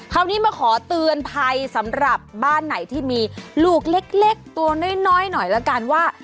คราวนี้มาขอเตือนภัยสำหรับบ้านไหนที่มีลูกเล็กตัวน้อยหน่อยละกันว่า